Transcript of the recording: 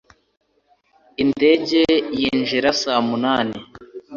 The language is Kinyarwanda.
Indege yinjira saa munani.